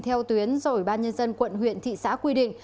theo tuyến rồi ban nhân dân quận huyện thị xã quy định và sự